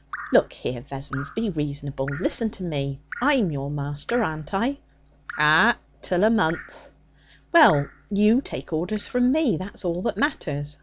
'Look here, Vessons! Be reasonable. Listen to me. I'm your master, aren't I?' 'Ah! Till a month.' 'Well, you take orders from me; that's all that matters.